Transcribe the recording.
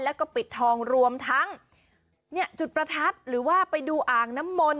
แล้วก็ปิดทองรวมทั้งเนี่ยจุดประทัดหรือว่าไปดูอ่างน้ำมนต